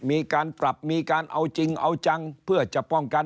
มีการปรับมีการเอาจริงเอาจังเพื่อจะป้องกัน